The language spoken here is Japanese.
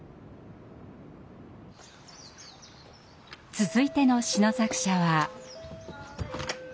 続いての詩の作者は。